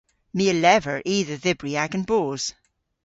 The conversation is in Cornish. My a lever i dhe dhybri agan boos.